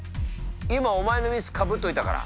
今お前のミスかぶっといたから。